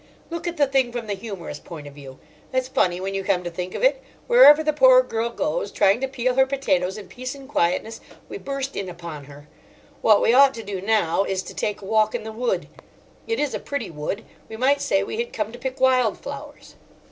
"Look at the thing from the humorous point of view. It's funny when you come to think of it. Wherever the poor girl goes, trying to peel her potatoes in peace and quietness, we burst in upon her. What we ought to do now is to take a walk in the wood. It is a pretty wood. We might say we had come to pick wild flowers."